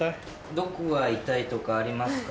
どこが痛いとかありますか？